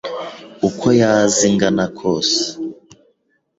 uko yaza ingana kose,